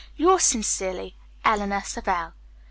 "'Yours sincerely, "'ELEANOR SAVELL.'"